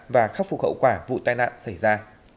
và khắc phục hậu quả vụ tai nạn xảy ra